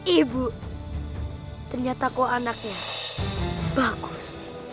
ibu ternyata kok anaknya bagus